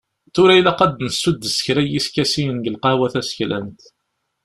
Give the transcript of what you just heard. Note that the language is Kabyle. Tura ilaq ad d-nessuddes kra n yiskasiyen deg lqahwa taseklant.